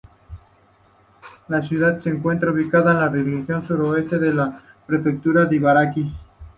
La ciudad se encuentra ubicada en la región suroeste de la Prefectura de Ibaraki.